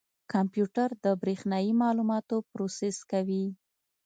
کمپیوټر د برېښنایي معلوماتو پروسس کوي.